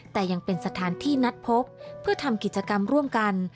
แต่ยังเป็นสถานที่นัดพบเพื่อทำกิจกรรมร่วมกัน